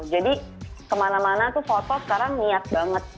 jadi kemana mana tuh foto sekarang niat banget